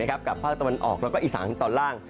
กับภาคตะวันออกแล้วก็อีสานตอนล่าง